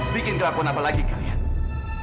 bikin kelakon apa lagi kalian